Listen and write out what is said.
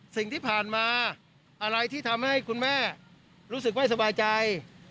สิ่งที่ผ่านมาอะไรที่ทำให้คุณแม่รู้สึกไม่สบายใจ